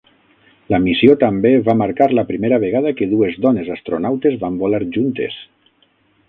La missió també va marcar la primera vegada que dues dones astronautes van volar juntes.